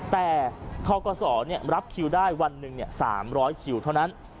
แต่ทกศรับคิวได้วันหนึ่ง๓๐๐คิวเท่านั้น